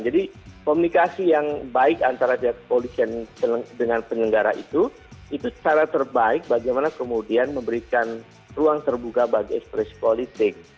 jadi komunikasi yang baik antara pihak kepolisian dengan penyelenggara itu itu secara terbaik bagaimana kemudian memberikan ruang terbuka bagi ekspresi politik